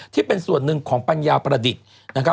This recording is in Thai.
ที่เป็นส่วนหนึ่งของปัญญาประดิษฐ์นะครับ